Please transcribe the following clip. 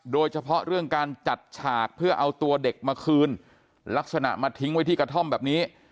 โดยเฉพาะเรื่องการจัดฉากเพื่อเอาตัวเด็กมาคืนลักษณะมาทิ้งไว้ที่กระท่อมแบบนี้